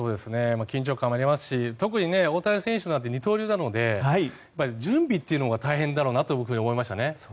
緊張感もありますし特に大谷選手は二刀流なので準備というのが大変だろうなと思いましたね。